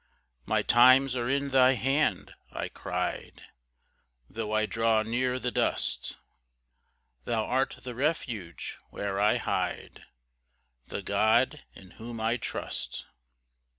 3 "My times are in thine hand," I cry'd, "Tho' I draw near the dust ;" Thou art the refuge where I hide, The God in whom I trust.